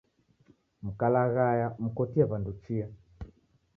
Mkalaghaya, mkotie w'andu chia